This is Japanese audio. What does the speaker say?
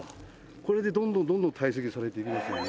海譴どんどんどんどん堆積されていきますよね。